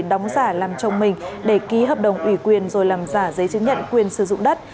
đóng giả làm chồng mình để ký hợp đồng ủy quyền rồi làm giả giấy chứng nhận quyền sử dụng đất